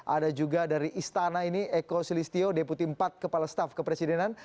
ada juga dari istana ini eko sulistyo deputi empat kepala staf kepresidenan